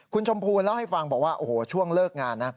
คุณชมพูเล่าให้ฟังบอกว่าโอ้โหช่วงเลิกงานนะ